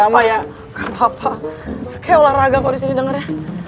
gak apa apa kayak olahraga kok disini dengernya